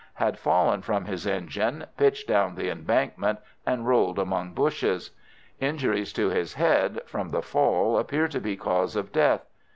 Had fallen from his engine, pitched down the embankment, and rolled among bushes. Injuries to his head, from the fall, appear to be cause of death.